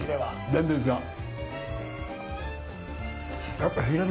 全然違う。